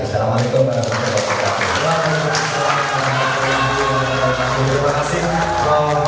assalamu alaikum warahmatullahi wabarakatuh